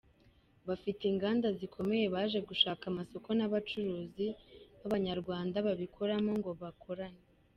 Bafite inganda zikomeye baje gushaka amasoko n’abacuruzi b’ Abanyarwanda babikoramo ngo bakorane.